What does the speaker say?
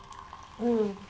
うん。